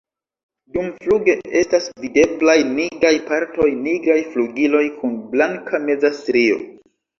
Dumfluge estas videblaj nigraj partoj, nigraj flugiloj kun blanka meza strio.